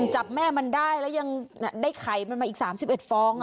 จับแม่มันได้แล้วยังได้ไข่มันมาอีก๓๑ฟอง